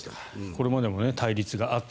これまでも対立があった。